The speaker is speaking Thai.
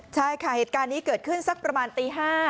ใช่ค่ะเหตุการณ์นี้เกิดขึ้นสักประมาณตี๕